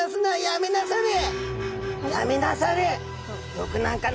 やめなされ」。